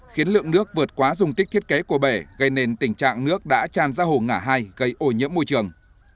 khiến lượng nước vượt quá dùng tích thiết kế của bể gây nên tình trạng nước đã tràn ra hồ ngã hai gây ô nhiễm môi trường